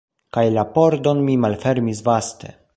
Kaj la pordon mi malfermis vaste.